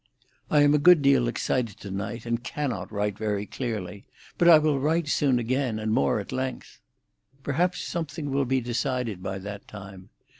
"I am a good deal excited to night, and cannot write very clearly. But I will write soon again, and more at length. "Perhaps something will be decided by that time.